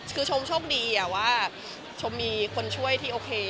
คือชมโชคดีว่าชมมีคนช่วยที่โอเค